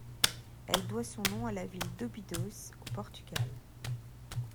Elle doit son nom à la ville d'Óbidos, au Portugal.